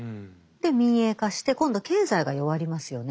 民営化して今度経済が弱りますよね。